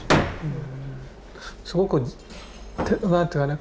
すごくなんて言うかね